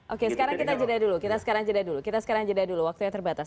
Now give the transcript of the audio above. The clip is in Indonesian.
oke sekarang kita jeda dulu kita sekarang jeda dulu kita sekarang jeda dulu waktunya terbatas